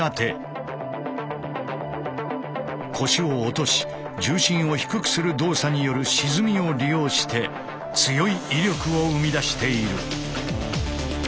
腰を落とし重心を低くする動作による沈みを利用して強い威力を生み出している。